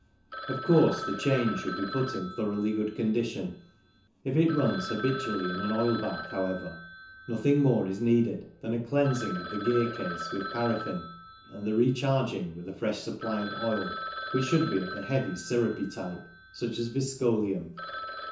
Of course the chain should be put in thoroughly good con dition ; if it runs habitually in an oil bath, however, nothing more is needed than a cleansing of the gear case with paraffin and the re charging with a fresh supply of oil, which should be of the heavy, syrupy type, such as " Viscoleum."